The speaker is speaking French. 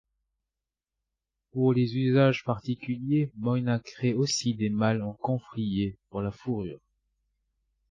Pour les usages particuliers, Moynat crée aussi des malles en camphrier pour la fourrure.